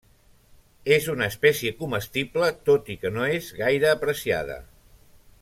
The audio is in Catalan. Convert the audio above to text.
És una espècie comestible tot i que no és gaire apreciada.